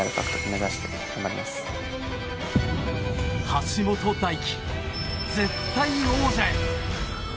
橋本大輝、絶対王者へ。